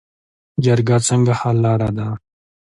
جرګه څنګه حل لاره ده؟